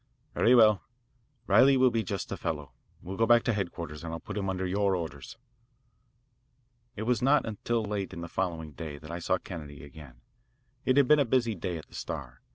"Very well. Riley will be just the fellow. We'll go back to headquarters, and I'll put him under your orders." It was not until late in the following day that I saw Kennedy again. It had been a busy day at the Star.